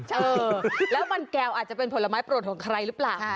เออแล้วมันแก้วอาจจะเป็นผลไม้โปรดของใครหรือเปล่า